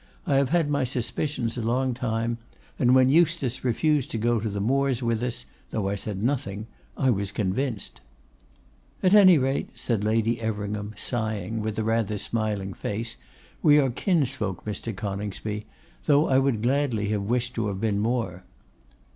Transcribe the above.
I have had my suspicions a long time; and when Eustace refused to go to the moors with us, though I said nothing, I was convinced.' 'At any rate,' said Lady Everingham, sighing, with a rather smiling face, 'we are kinsfolk, Mr. Coningsby; though I would gladly have wished to have been more.